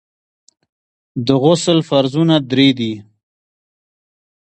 د غسل فرضونه درې دي.